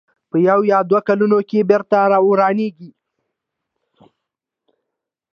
په یوه یا دوو کلونو کې بېرته ورانېږي.